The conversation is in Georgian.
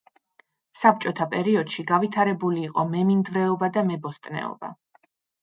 საბჭოთა პერიოდში გავითარებული იყო მემინდვრეობა და მებოსტნეობა.